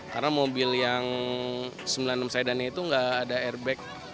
karena mobil yang sembilan puluh enam sedan itu enggak ada airbag